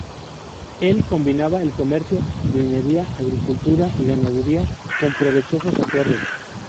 Él combinaba el comercio, minería, agricultura y ganadería, con provechosos acuerdos.